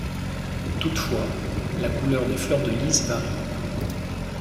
Toutefois, la couleur des fleurs de lys varient.